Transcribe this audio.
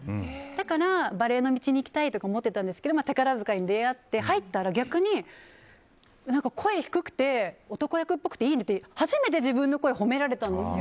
だから、バレエの道に行きたいと思ってたんですが宝塚と出会って入ったら、逆に声が低くて男役っぽくていいねって初めて自分の声褒められたんです。